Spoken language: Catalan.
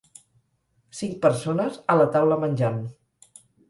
Cinc persones a la taula menjant.